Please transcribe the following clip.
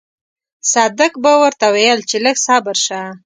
صدک به ورته ويل چې لږ صبر شه.